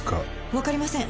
分かりません。